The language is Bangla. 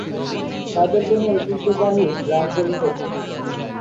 তাদের কোনও ঐতিহ্যবাহী গ্রাম পরিষদ নেই।